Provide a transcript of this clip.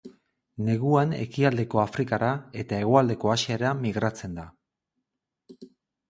Neguan ekialdeko Afrikara eta hegoaldeko Asiara migratzen da.